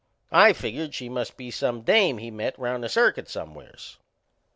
I figured she must be some dame he'd met round the circuit somewheres.